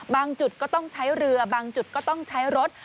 จุดก็ต้องใช้เรือบางจุดก็ต้องใช้รถ